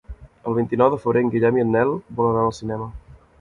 El vint-i-nou de febrer en Guillem i en Nel volen anar al cinema.